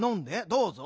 どうぞ。